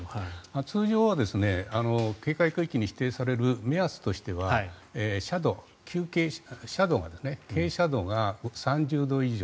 通常は警戒区域に指定される目安としては斜度、傾斜度が３０度以上。